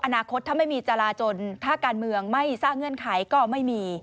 อนาคตถ้าไม่มีจราจนถ้าการเมืองไม่สร้างเงื่อนไขก็ไม่มี